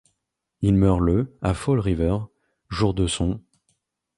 Il meurt le à Fall River, jour de son.